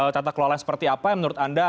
tata kelola seperti apa menurut anda